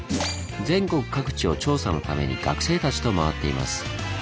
全国各地を調査のために学生たちと回っています。